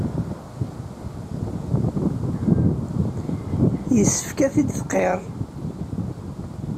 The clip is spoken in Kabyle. Yessefk ad t-id-tqirr.